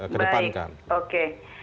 kedepankan baik oke